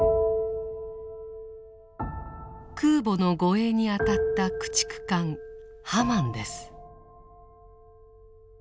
空母の護衛に当たった駆逐艦「ハマン」です。